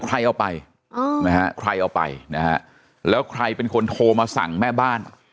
ใครเอาไปนะฮะใครเอาไปนะฮะแล้วใครเป็นคนโทรมาสั่งแม่บ้าน